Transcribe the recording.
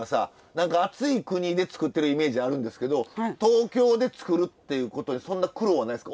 何か暑い国で作ってるイメージあるんですけど東京で作るっていうことでそんな苦労はないですか？